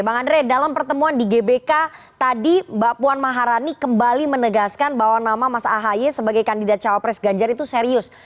bang andre dalam pertemuan di gbk tadi mbak puan maharani kembali menegaskan bahwa nama mas ahy sebagai kandidat cawapres ganjar itu serius